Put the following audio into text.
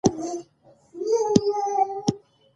غازي محمد ايوب د افغان تاريخ يوه برخه ده